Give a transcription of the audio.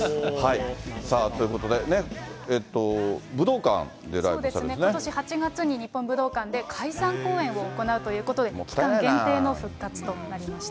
さあ、ということでね、そうですね、ことし８月に日本武道館で解散公演を行うということで、期間限定の復活となりました。